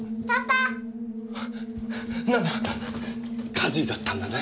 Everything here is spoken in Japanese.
火事だったんだね。